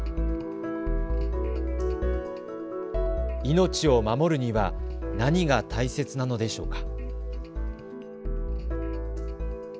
命を守るには何が大切なのでしょうか。